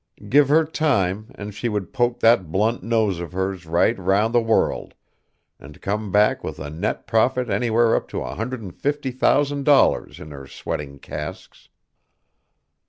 Give her time, and she would poke that blunt nose of hers right 'round the world, and come back with a net profit anywhere up to a hundred and fifty thousand dollars in her sweating casks.